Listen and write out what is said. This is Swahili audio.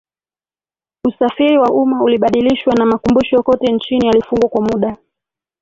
Usafiri wa umma ulibadilishwa na makumbusho kote nchini yalifungwa kwa muda